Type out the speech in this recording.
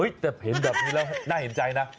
แต่เห็นแบบนี้แล้วน่าเห็นใจนะ